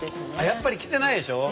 やっぱり来てないでしょ？